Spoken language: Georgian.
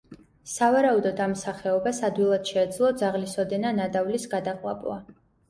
სავარაუდოდ ამ სახეობას ადვილად შეეძლო ძაღლის ოდენა ნადავლის გადაყლაპვა.